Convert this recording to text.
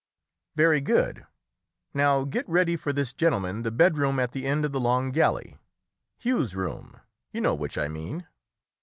"Very good; now get ready for this gentleman the bedroom at the end of the long gallery Hugh's room; you know which I mean."